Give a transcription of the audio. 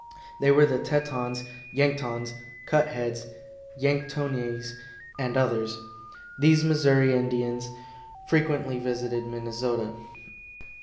They were the Tetons, Yanktons, Cut heads, Yanktonais, and others. These Missouri Indians frequently visited Minnesota.